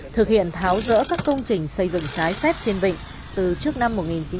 thực hiện tháo rỡ các công trình xây dựng trái phép trên vịnh từ trước năm một nghìn chín trăm bảy mươi